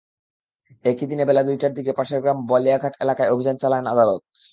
একই দিন বেলা দুইটার দিকে পাশের গ্রাম বালিয়াঘাট এলাকায় অভিযান চালান আদালত।